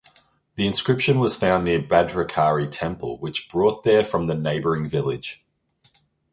The inscription was found near Bhadrakali Temple which brought there from the neighbouring village.